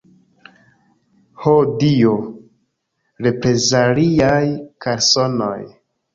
Ho Dio, reprezaliaj kalsonoj!